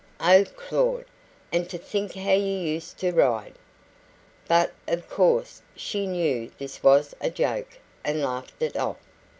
"Oh, Claud! And to think how you used to ride!" But of course she knew this was a joke, and laughed it off.